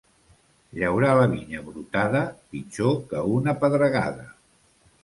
Llaurar la vinya brotada, pitjor que una pedregada.